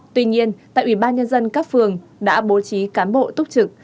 tuy nhiên tại ubnd các phường đã bố trí cán bộ túc trực